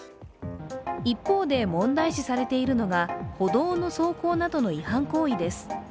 一方で問題視されているのが歩道の走行などの違反行為です。